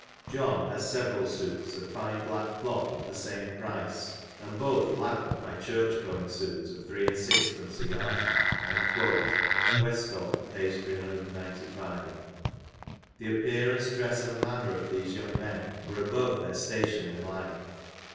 John has several '' suits of fine black cloth of the same price, and both laugh at my " church going suit of three and sixpence a yard'' {W, p. 395). The appearance, dress, and manner of these young men were above their station in life.